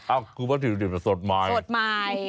อ้าวคือวัตถุดิบสดหมาย